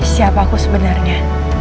siapa aku sebenarnya